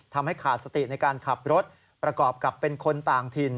ทำให้ขาดสติในการขับรถประกอบกับเป็นคนต่างถิ่น